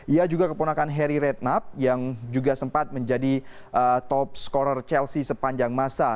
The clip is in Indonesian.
ia juga keponakan harry rednap yang juga sempat menjadi top scorer chelsea sepanjang masa